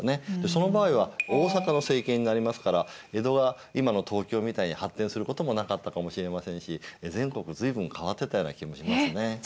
その場合は大坂の政権になりますから江戸は今の東京みたいに発展することもなかったかもしれませんし全国随分変わってたような気もしますね。